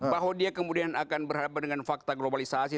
bahwa dia kemudian akan berhadapan dengan fakta globalisasi